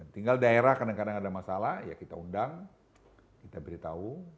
tinggal daerah kadang kadang ada masalah ya kita undang kita beritahu